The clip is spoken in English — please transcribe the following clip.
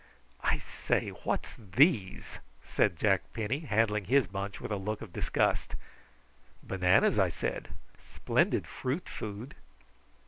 "I say, what's these?" said Jack Penny, handling his bunch with a look of disgust. "Bananas," I said. "Splendid fruit food."